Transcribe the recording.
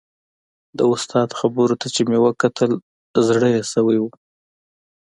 د استاد خبرو ته چې مې وکتل زړه یې شوی و.